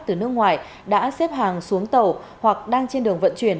từ nước ngoài đã xếp hàng xuống tàu hoặc đang trên đường vận chuyển